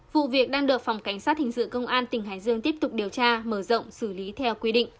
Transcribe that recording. vụ việc đang được phòng cảnh sát hình sự công an tỉnh hải dương tiếp tục điều tra mở rộng xử lý theo quy định